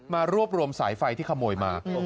มารวบรวมสายไฟที่ขโมยมา